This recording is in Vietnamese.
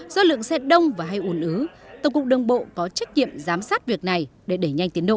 do lượng xe đông và hay ủn ứ tổng cục đông bộ có trách nhiệm giám sát việc này để đẩy nhanh tiến độ